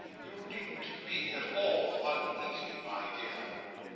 you needn't be at all uneasy, my dear.